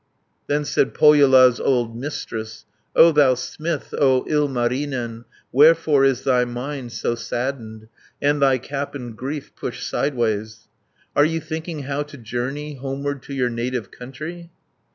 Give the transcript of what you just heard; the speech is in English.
Then said Pohjola's old Mistress, "O thou smith, O Ilmarinen Wherefore is thy mind so saddened, And thy cap in grief pushed sideways? Are you thinking how to journey, Homeward to your native country?"